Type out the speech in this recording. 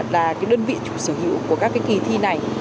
là cái đơn vị chủ sở hữu của các cái kỳ thi này